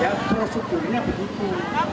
ya prosedurnya begitu